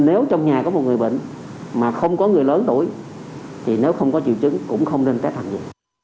nếu có người lớn đổi thì nếu không có triệu chứng cũng không nên test hành vi